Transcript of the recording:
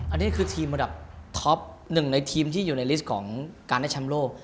อันนี้คือทีมระดับท็อปหนึ่งในทีมที่อยู่ในลิสต์ของการได้แชมป์โลก